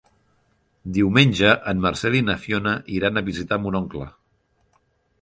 Diumenge en Marcel i na Fiona iran a visitar mon oncle.